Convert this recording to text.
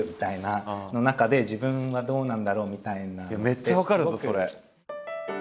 めっちゃ分かるぞそれ。